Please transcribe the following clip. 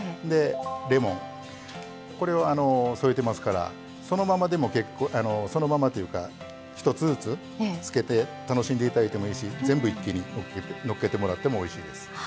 レモン、これを添えてますからそのままというか一つずつつけて楽しんでいただいてもいいし全部、一気にのせていただいてもおいしいです。